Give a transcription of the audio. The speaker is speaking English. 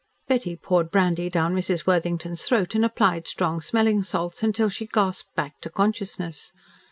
Betty poured brandy down Mrs. Worthington's throat and applied strong smelling salts until she gasped back to consciousness.